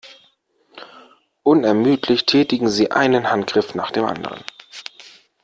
Unermüdlich tätigen sie einen Handgriff nach dem anderen.